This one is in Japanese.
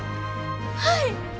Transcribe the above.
はい！